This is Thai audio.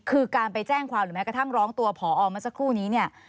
คือการไปแจ้งความหรือแม้กระทั่งร้องตัวผอเมื่อสักครู่นี้เนี่ย